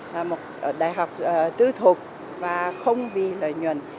và một đại học việt nam hoa kỳ